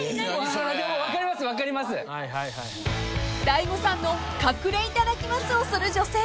［大悟さんの「隠れいただきます」をする女性］